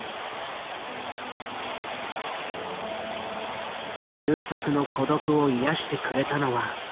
優作の孤独を癒やしてくれたのは映画。